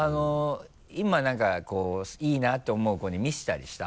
今なんかいいなって思う子に見せたりした？